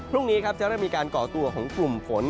พรุ่งนี้ครับจะเริ่มมีการก่อตัวของกลุ่มฝน